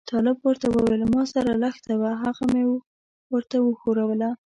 طالب ورته وویل ما سره لښته وه هغه مې ورته وښوروله.